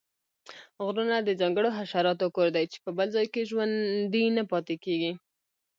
غرونه د ځانګړو حشراتو کور دی چې په بل ځاې کې ژوندي نه پاتیږي